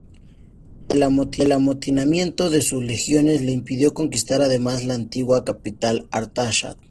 El amotinamiento de sus legiones le impidió conquistar además la antigua capital, Artashat.